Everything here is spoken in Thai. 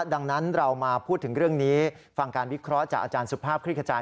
ดังนั้นเรามาพูดถึงเรื่องนี้ฟังการวิเคราะห์จากอาจารย์สุภาพคลิกขจาย